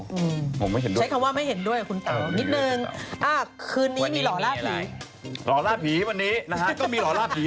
ใช้คำว่าไม่เห็นด้วยคุณเตาคืนนี้มีหล่อล่าผี